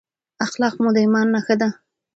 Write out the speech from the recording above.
اخلاق مو د ایمان نښه ده.